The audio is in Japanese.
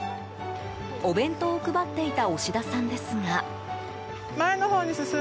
お弁当を配っていた押田さんですが。